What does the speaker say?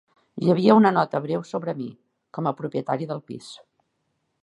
Hi havia una nota breu sobre mi, com a propietari del pis.